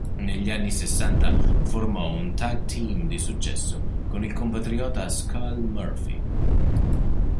Negli anni sessanta formò un tag team di successo con il compatriota Skull Murphy.